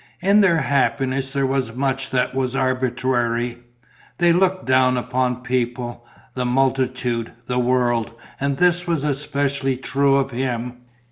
In their happiness there was much that was arbitrary; they looked down upon people, the multitude, the world; and this was especially true of him.